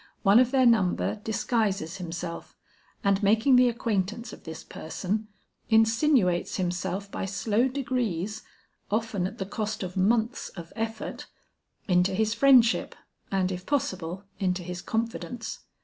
One of their number disguises himself, and making the acquaintance of this person, insinuates himself by slow degrees often at the cost of months of effort into his friendship and if possible into his confidence.